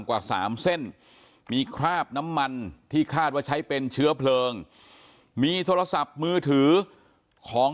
กว่า๓เส้นมีคราบน้ำมันที่คาดว่าใช้เป็นเชื้อเพลิงมีโทรศัพท์มือถือของ